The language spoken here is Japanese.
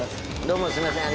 どうもすいません。